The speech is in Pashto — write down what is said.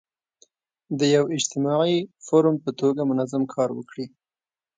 د یو اجتماعي فورم په توګه منظم کار وکړي.